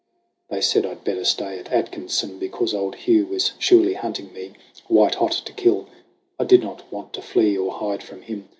" They said I'd better stay at Atkinson, Because old Hugh was surely hunting me, White hot to kill. I did not want to flee Or hide from him.